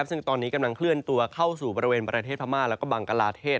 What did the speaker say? ซึ่งตอนนี้กำลังเคลื่อนตัวเข้าสู่บริเวณประเทศพม่าแล้วก็บังกลาเทศ